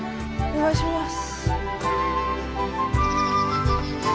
お願いします。